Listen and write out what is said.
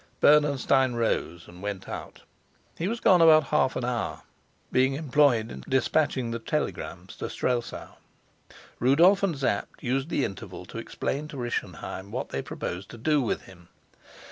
Bernenstein rose and went out. He was gone about half an hour, being employed in despatching the telegrams to Strelsau. Rudolf and Sapt used the interval to explain to Rischenheim what they proposed to do with him.